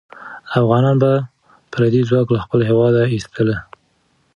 افغانان به پردی ځواک له خپل هېواد ایستله.